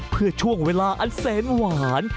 เพื่อช่วงเวลาอันแสนหวาน